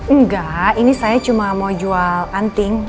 enggak ini saya cuma mau jual anting